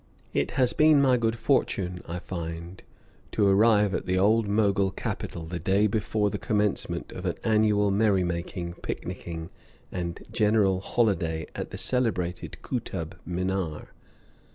It has been my good fortune, I find, to arrive at the old Mogul capital the day before the commencement of an annual merrymaking, picnicking, and general holiday at the celebrated Kootub Minar.